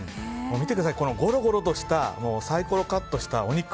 見てください、ゴロゴロとしたサイコロカットしたお肉。